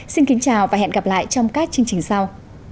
xin kính chào và hẹn gặp lại trong các chương trình sau